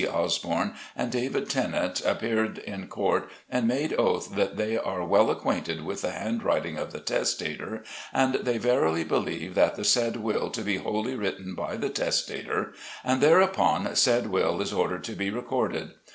Osborne, and David Tennant, appeared in Court and made oath that they are well acquainted with the hand writing of the Testator, and they verily believe the said Will to be wholly written by the Testator : And thereupon said Will is ordered to be recorded.